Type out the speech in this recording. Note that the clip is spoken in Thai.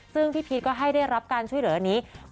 ซึ่งพี่พีชก็ให้ได้รับการช่วยเหลืออันนี้